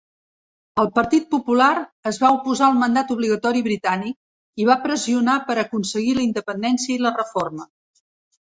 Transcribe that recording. El partit popular es va oposar al mandat obligatori britànic i va pressionar per aconseguir la independència i la reforma.